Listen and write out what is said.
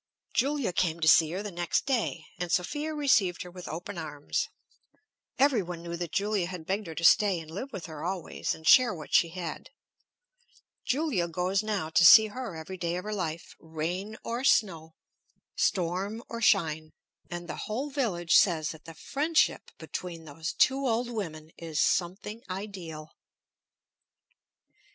Julia came to see her the next day, and Sophia received her with open arms. Every one knew that Julia had begged her to stay and live with her always, and share what she had. Julia goes now to see her every day of her life, rain or snow, storm or shine; and the whole village says that the friendship between those two old women is something ideal.